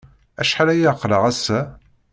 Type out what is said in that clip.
Acḥal ay aql-aɣ ass-a?